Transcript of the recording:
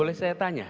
boleh saya tanya